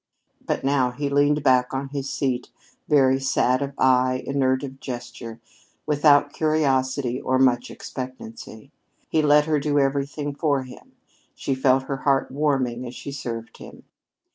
But now he leaned back on his seat very sad of eye, inert of gesture, without curiosity or much expectancy. He let her do everything for him. She felt her heart warming as she served him.